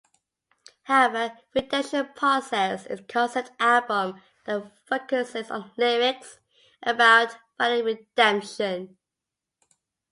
However, "Redemption Process" is a concept album that focuses on lyrics about finding redemption.